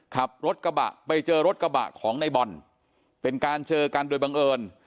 ขับรถกระบะไปเจอรถกระบะของในบอลเป็นการเจอกันโดยบังเอิญ